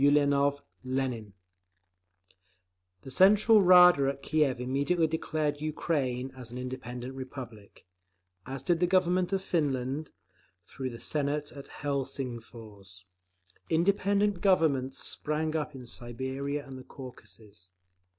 ULIANOV (LENIN) The Central Rada at Kiev immediately declared Ukraine an independent Republic, as did the Government of Finland, through the Senate at Helsingfors. Independent "Governments" spring up in Siberia and the Caucasus.